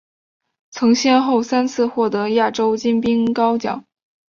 曾先后三次获得亚洲金冰镐奖。